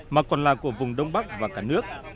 mà còn là của vùng đông bắc và cả nước